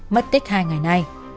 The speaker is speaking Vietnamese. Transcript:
mất tích hai ngày nay